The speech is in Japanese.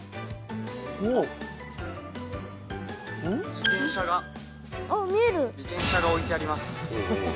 自転車が自転車が置いてあります。